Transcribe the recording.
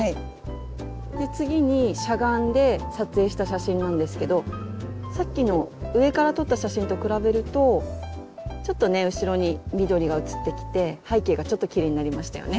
次にしゃがんで撮影した写真なんですけどさっきの上から撮った写真と比べるとちょっとね後ろに緑が写ってきて背景がちょっときれいになりましたよね。